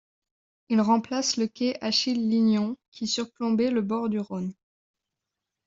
Il remplace le quai Achille Lignon qui surplombait le bord du Rhône.